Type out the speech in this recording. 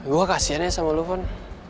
gue kasian ya sama lu fon